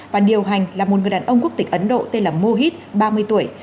và điều hành là một người đàn ông quốc tịch ấn độ tên là mohid ba mươi tuổi